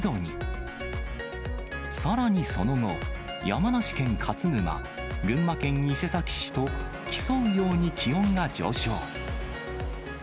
さらにその後、山梨県勝沼、群馬県伊勢崎市と、競うように気温が上昇。